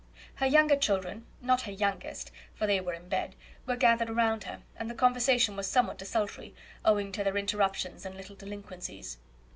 Her younger children (not her youngest, for they were in bed) were gathered around her, and the conversation was somewhat desultory, owing to their interruptions and little delinquencies.